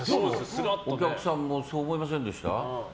お客さんもそう思いませんでした？